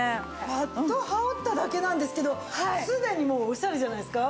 パッと羽織っただけなんですけどすでにもうおしゃれじゃないですか。